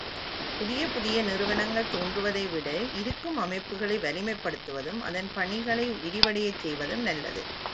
புதிய புதிய நிறுவனங்கள் தோன்றுவதைவிட இருக்கும் அமைப்புகளை வலிமைப்படுத்துவதும் அதன் பணிகளை விரிவடையச் செய்வதும் நல்லது.